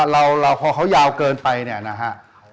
ลองเขายาวเกินไปเนี่ยนะฮะ